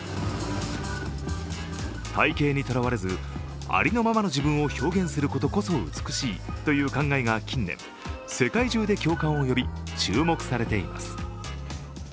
体型にとらわれずありのままの自分を表現することこそ美しいという考えが近年、世界中で共感を呼び注目されています。